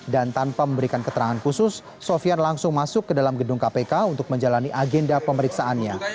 dan tanpa memberikan keterangan khusus sofian langsung masuk ke dalam gedung kpk untuk menjalani agenda pemeriksaannya